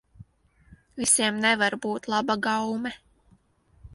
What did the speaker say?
Visiem nevar būt laba gaume.